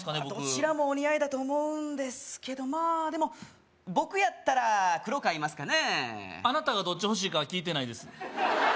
僕どちらもお似合いだと思うんですけどまあでも僕やったら黒買いますかねあなたがどっち欲しいかは聞いてないです